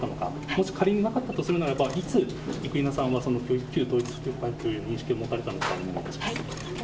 もし仮になかったとするならば、いつ生稲さんは旧統一教会という認識を持たれたのか、お願いします。